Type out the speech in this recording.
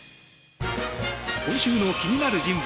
今週の気になる人物